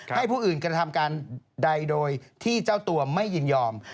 ผู้อื่นกระทำการใดโดยที่เจ้าตัวไม่ยินยอม